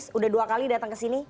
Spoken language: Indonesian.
sudah dua kali datang ke sini